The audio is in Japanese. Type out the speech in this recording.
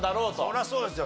そりゃそうですよ。